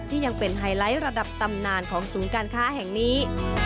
ยังเป็นไฮไลท์ระดับตำนานของศูนย์การค้าแห่งนี้